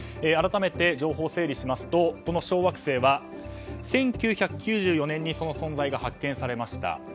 改めて情報を整理しますとこの小惑星は１９９４年にその存在が発見されました。